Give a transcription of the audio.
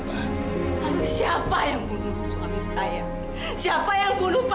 lalu siapa yang bunuh suami saya